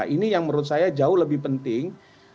ini yang menurut saya jauh lebih penting